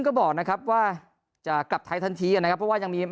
ก็บอกนะครับว่าจะกลับไทยทันทีนะครับเพราะว่ายังมี